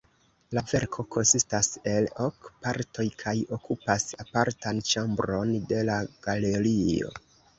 La verko konsistas el ok partoj kaj okupas apartan ĉambron de la galerio.